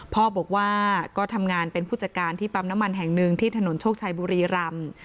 พ่อบอกว่าก็ทำงานเป็นผู้จัดการที่ปั๊มน้ำมันแห่งหนึ่งที่ถนนโชคชัยบุรีรำ